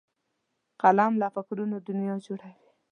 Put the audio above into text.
قلم له فکرونو دنیا جوړوي